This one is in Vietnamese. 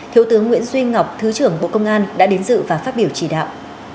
thiếu tướng nguyễn duy ngọc thứ trưởng bộ công an đã đến dự và phát biểu chỉ đạo